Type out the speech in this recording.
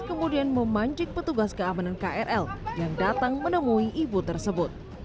kemudian memancik petugas keamanan krl yang datang menemui ibu tersebut